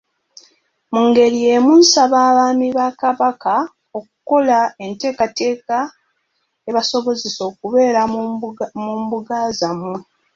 Mu ngeri yeemu nsaba Abaami ba Kabaka okukola enteekateeka ebasobozesa okubeera mu mbuga zammwe.